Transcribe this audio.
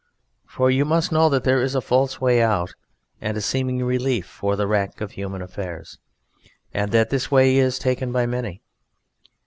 For you must know that there is a false way out and a seeming relief for the rack of human affairs, and that this way is taken by many.